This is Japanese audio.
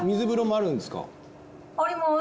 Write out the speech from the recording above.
あります。